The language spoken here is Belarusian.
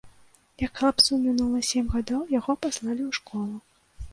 Як хлапцу мінула сем гадоў, яго паслалі ў школу.